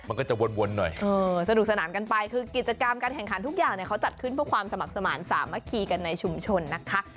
มันก็จะวนหน่อยสนุกสนานกันไปคือกิจกรรมการแข่งขันทุกอย่างเขาจัดขึ้นเพื่อความสมัครสมาธิสามัคคีกันในชุมชนนะคะ